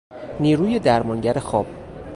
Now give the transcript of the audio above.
نیروی درمانگر خواب